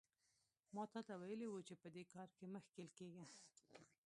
ما تاته ویلي وو چې په دې کار کې مه ښکېل کېږه.